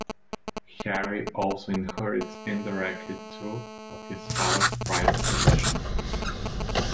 Harry also inherits indirectly two of his father's prized possessions.